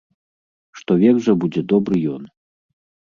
Што век жа будзе добры ён!